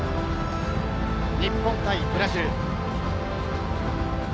日本対ブラジル。